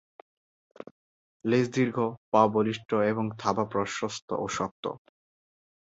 লেজ দীর্ঘ, পা বলিষ্ঠ এবং থাবা প্রশস্ত ও শক্ত।